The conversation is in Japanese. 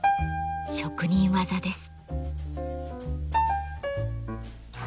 職人技です。